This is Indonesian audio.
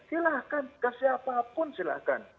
silahkan ke siapapun silahkan